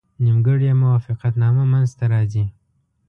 نیمګړې موافقتنامه منځته راځي.